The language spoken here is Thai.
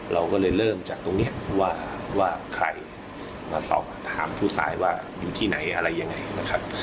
เราก็เลยเริ่มจากตรงนี้ว่าใครมาสอบถามผู้ตายว่าอยู่ที่ไหนอะไรยังไงนะครับ